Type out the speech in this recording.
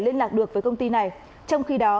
liên lạc được với công ty này trong khi đó